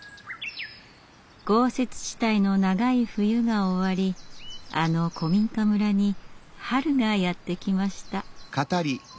豪雪地帯の長い冬が終わりあの古民家村に春がやって来ました。